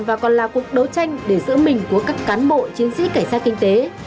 và còn là cuộc đấu tranh để giữ mình của các cán bộ chiến sĩ cảnh sát kinh tế